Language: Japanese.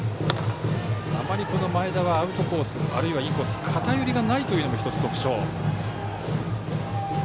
あまり前田はアウトコースあるいはインコース偏りがないというのも特徴。